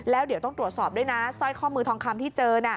แล้วเดี๋ยวต้องตรวจสอบด้วยนะสร้อยข้อมือทองคำที่เจอน่ะ